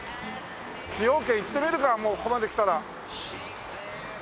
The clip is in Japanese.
崎陽軒行ってみるかもうここまで来たら。